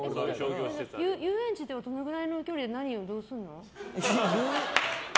遊園地ではどのくらいの距離で何をどうするの？